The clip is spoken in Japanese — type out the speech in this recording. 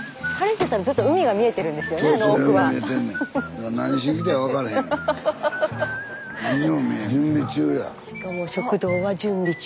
スタジオしかも食堂は準備中。